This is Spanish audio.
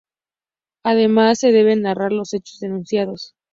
Además, se deben narrar los hechos denunciados.